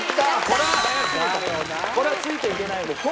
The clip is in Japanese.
これはついていけないです。